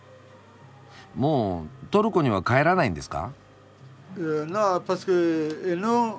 もうトルコには帰らないんですか？